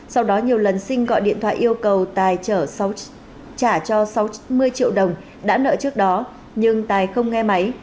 sau đó nhiều lần sinh gọi điện thoại yêu cầu tài trả cho sáu mươi triệu đồng đã nợ trước đó nhưng tài không nghe máy